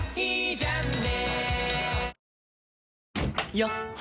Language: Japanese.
よっ！